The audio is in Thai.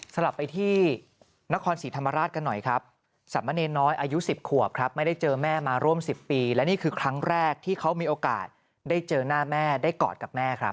กลับไปที่นครศรีธรรมราชกันหน่อยครับสามเณรน้อยอายุ๑๐ขวบครับไม่ได้เจอแม่มาร่วม๑๐ปีและนี่คือครั้งแรกที่เขามีโอกาสได้เจอหน้าแม่ได้กอดกับแม่ครับ